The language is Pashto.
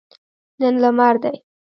نن لمر دی